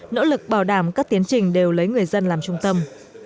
nỗ lực bảo đảm các tiến trình đều lấy người dân làm trung tâm